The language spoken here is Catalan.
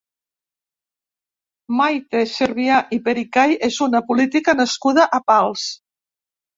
Maite Servià i Pericay és una política nascuda a Pals.